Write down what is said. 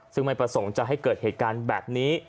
ซึ่งไม่ประสงค์จะให้เกิดเหตุการณ์แบบนี้